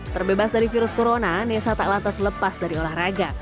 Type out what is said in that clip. terbebas dari virus corona nessa tak lantas lepas dari olahraga